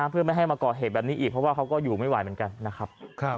เพื่อไม่ให้มาก่อเหตุแบบนี้อีกเพราะว่าเขาก็อยู่ไม่ไหวเหมือนกันนะครับ